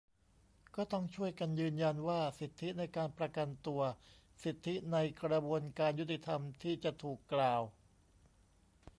ก็ต้องช่วยกันยืนยันว่า สิทธิในการประกันตัว สิทธิในกระบวนการยุติธรรมที่จะถูกกล่าว